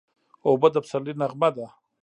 اوبه د پسرلي نغمه ده.